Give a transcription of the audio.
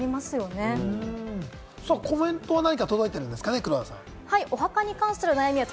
コメントは何か届いていますか？